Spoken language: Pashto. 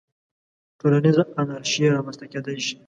ټولنیزه انارشي رامنځته کېدای شي.